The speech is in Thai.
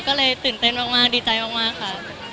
ก็เลยตื่นเต้นมากดีใจมากค่ะ